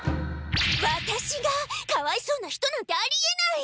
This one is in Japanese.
ワタシがかわいそうな人なんてありえない！